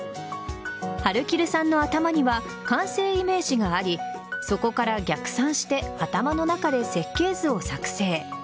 はるきるさんの頭には完成イメージがありそこから逆算して頭の中で設計図を作成。